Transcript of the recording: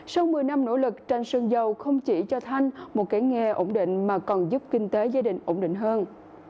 sau một mươi năm nỗ lực tranh sơn dầu không chỉ cho thanh một kẻ nghe ổn định mà còn giúp kinh tế gia đình ổn định hơn